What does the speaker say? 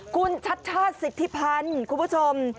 คุณชัดชาติสิทธิพันธ์คุณผู้ชม